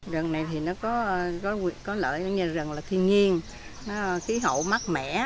rừng này thì nó có lợi rừng là thiên nhiên khí hậu mát mẻ